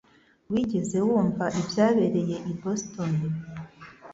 Wigeze wumva ibyabereye i Boston?